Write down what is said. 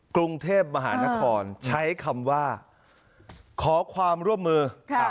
กรุงเทพมหานครใช้คำว่าขอความร่วมมือ